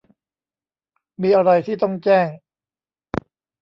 มีอะไรที่ต้องแจ้ง